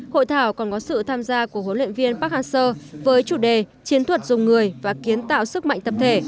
hội thảo còn có sự tham gia của huấn luyện viên park han seo với chủ đề chiến thuật dùng người và kiến tạo sức mạnh tập thể